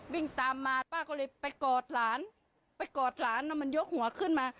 วิ่งตามมาป้าก็เลยไปกอดหลานไปกอดหลานแล้วมันยกหัวขึ้นมา